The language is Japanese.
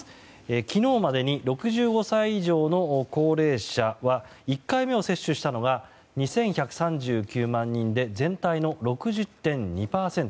昨日までに６５歳以上の高齢者で１回目を接種したのが２１３９万人で全体の６０．２％。